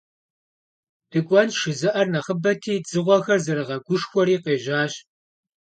«ДыкӀуэнщ» жызыӀэр нэхъыбэти, дзыгъуэхэр зэрыгъэгушхуэри къежьащ.